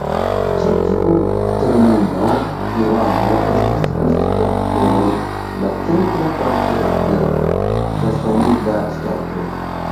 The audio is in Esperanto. Ĉi tiu termino "Irano" estis uzita por la centra parto de Sasanida ŝtato.